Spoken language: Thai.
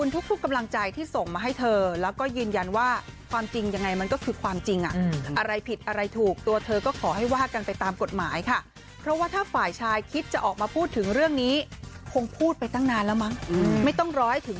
ทุกกำลังใจที่ส่งมาให้เธอและยืนยันว่าความจริงก็คือความจริง